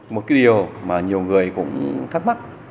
một điều mà nhiều người cũng thắc mắc